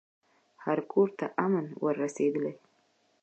هر کورته امن ور رسېدلی